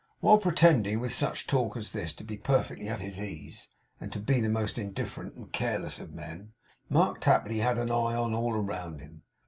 While pretending, with such talk as this, to be perfectly at his ease, and to be the most indifferent and careless of men, Mark Tapley had an eye on all around him.